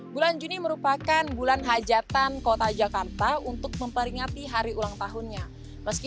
bulan juni merupakan bulan hajatan kota jakarta untuk memperingati hari ulang tahunnya meski